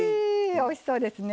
おいしそうですね。